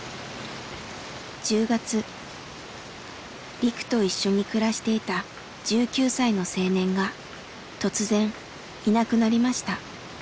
リクと一緒に暮らしていた１９歳の青年が突然いなくなりました。